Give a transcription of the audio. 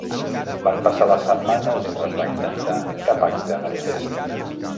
Van passar les setmanes i no es va intentar cap acte manifest.